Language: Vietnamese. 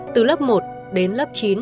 từ lớp một đến lớp chín